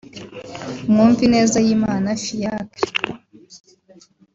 Mwumvinezayimana Fiacre